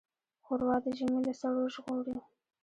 ښوروا د ژمي له سړو ژغوري.